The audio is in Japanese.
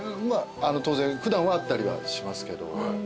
当然普段会ったりはしますけど。